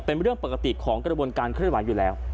เป็นเรื่องปกติของกระบวนการเคลื่อนไหวอยู่แล้ว